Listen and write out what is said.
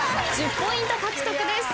１０ポイント獲得です。